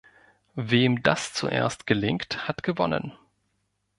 Wem das zuerst gelingt, hat gewonnen.